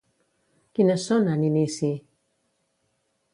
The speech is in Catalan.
Quines són, en inici?